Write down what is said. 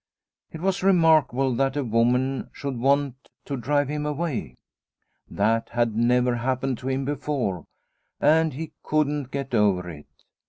It was remarkable that a woman should want to drive him away. That had never happened to him before, and he couldn't get over it.